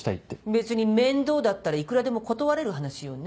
別に面倒だったらいくらでも断れる話よね？